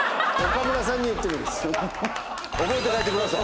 覚えて帰ってください。